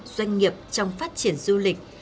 doanh nghiệp trong phát triển du lịch